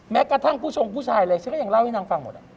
แม้กระทั่งผู้ชงผู้ชายเลยฉันก็ยังเล่าให้นางฟังหมด